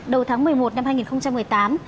đầu tháng một mươi một năm hai nghìn một mươi tám